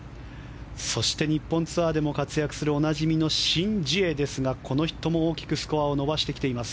そして日本ツアーでも活躍するおなじみのシン・ジエですがこの人も大きくスコアを伸ばしてきています。